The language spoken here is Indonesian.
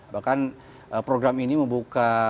bahkan program ini membuka